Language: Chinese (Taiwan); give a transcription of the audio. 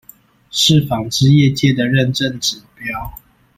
是紡織業界的認證指標